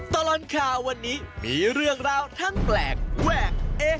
ตลอดข่าววันนี้มีเรื่องราวทั้งแปลกแวกเอ๊